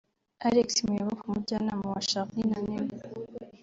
Alex Muyoboke umujyanama wa Charly na Nina